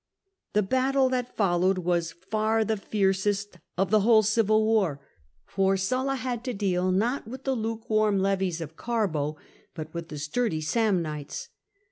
The battle 'that' followed was far the fiercest of the whole civil war, for Sulla had to deal not with the luke warm levies of Garbo, but with the sturdy Samnites.